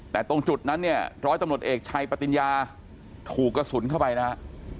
แต่ตรงจุดนั้นเนี่ยร้อยตำรวจเอกชัยปติญญาถูกกระสุนเข้าไปนะฮะ